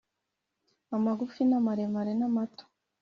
amagufi na maremare namato